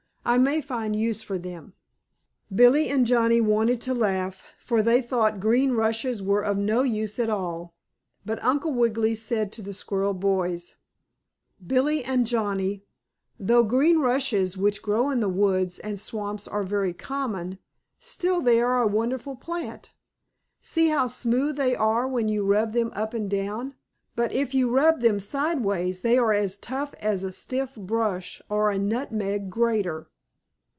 I may find use for them." Billie and Johnnie wanted to laugh, for they thought green rushes were of no use at all. But Uncle Wiggily said to the squirrel boys: "Billie and Johnnie, though green rushes, which grow in the woods and swamps are very common, still they are a wonderful plant. See how smooth they are when you rub them up and down. But if you rub them sideways they are as rough as a stiff brush or a nutmeg grater."